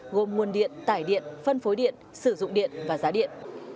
gồm nguồn điện tải điện phân phối điện sử dụng điện và giá điện